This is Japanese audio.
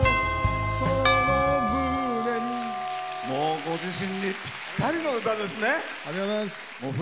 ご自身にぴったりの歌ですね。